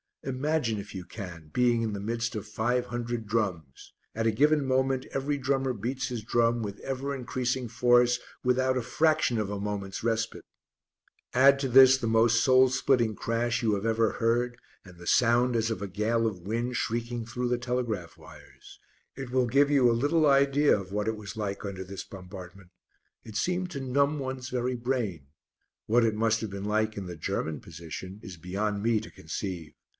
Imagine, if you can, being in the midst of five hundred drums. At a given moment every drummer beats his drum with ever increasing force without a fraction of a moment's respite. Add to this the most soul splitting crash you have ever heard and the sound as of a gale of wind shrieking through the telegraph wires. It will give you a little idea of what it was like under this bombardment. It seemed to numb one's very brain. What it must have been like in the German position is beyond me to conceive.